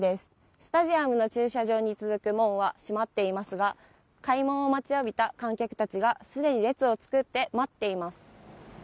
スタジアムの駐車場に続く門は閉まっていますが開門を待ちわびた観客たちがすでに列を作って待っています。